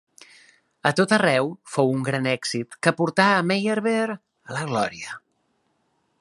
A tot arreu fou un gran èxit que portà a Meyerbeer a la glòria.